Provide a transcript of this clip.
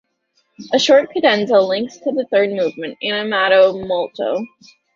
A short cadenza links to the third movement, "Animato molto".